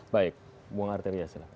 baik buang arteri ya silahkan